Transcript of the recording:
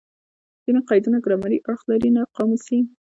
ځیني قیدونه ګرامري اړخ لري؛ نه قاموسي.